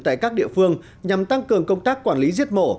tại các địa phương nhằm tăng cường công tác quản lý giết mổ